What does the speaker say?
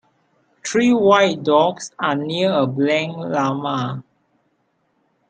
Three white dogs are near a black llama.